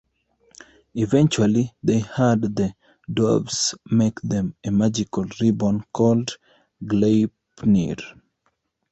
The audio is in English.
Eventually they had the dwarves make them a magical ribbon called Gleipnir.